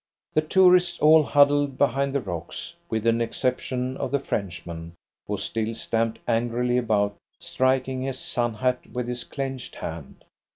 The tourists all huddled behind the rocks, with the exception of the Frenchman, who still stamped angrily about, striking his sun hat with his clenched hand.